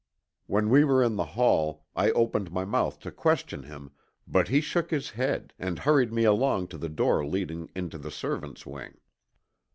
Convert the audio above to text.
When we were in the hall I opened my mouth to question him, but he shook his head and hurried me along to the door leading into the servants' wing.